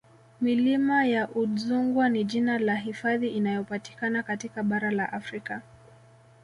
Milima ya Udzungwa ni jina la hifadhi inayopatikana katika bara la Afrika